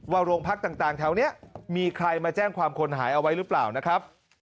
โรงพักต่างแถวนี้มีใครมาแจ้งความคนหายเอาไว้หรือเปล่านะครับ